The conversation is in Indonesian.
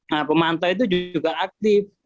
nah pemantau itu juga aktif